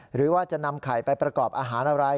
หรือว่าจะนำไข่ไปประกอบอาหารอะไร